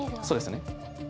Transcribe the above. そうですよね。